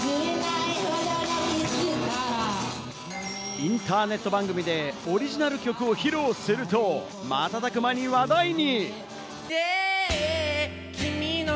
インターネット番組でオリジナル曲を披露すると、瞬く間に話題に。